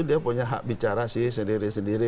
dia punya hak bicara sih sendiri sendiri